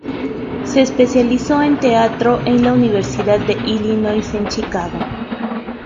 Se especializó en teatro en la Universidad de Illinois en Chicago.